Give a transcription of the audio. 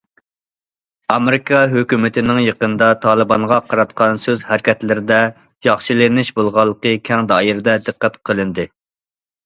ئامېرىكا ھۆكۈمىتىنىڭ يېقىندا تالىبانغا قاراتقان سۆز ھەرىكەتلىرىدە ياخشىلىنىش بولغانلىقى كەڭ دائىرىدە دىققەت قىلىندى.